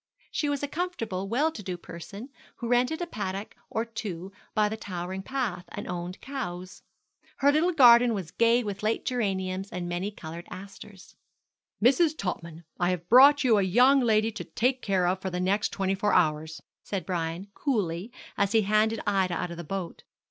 She was a comfortable, well to do person, who rented a paddock or two by the towing path, and owned cows. Her little garden was gay with late geraniums and many coloured asters. 'Mrs. Topman, I have brought you a young lady to take care of for the next twenty four hours,' said Brian, coolly, as he handed Ida out of the boat.